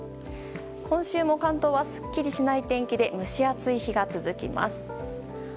今週も関東はすっきりしない天気で蒸し暑い日が続きます。